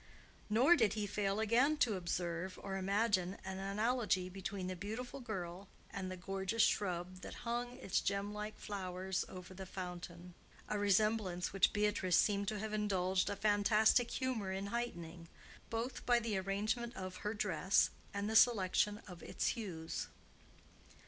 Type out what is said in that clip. Nor did he fail again to observe, or imagine, an analogy between the beautiful girl and the gorgeous shrub that hung its gemlike flowers over the fountain,—a resemblance which Beatrice seemed to have indulged a fantastic humor in heightening, both by the arrangement of her dress and the selection of its hues.